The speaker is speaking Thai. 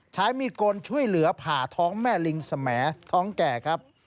ใช้มีดกลช่วยเหลือผ่าท้องแม่ลิงสมท้องแก่ครับ